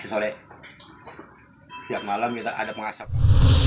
setiap malam kita ada pengasapan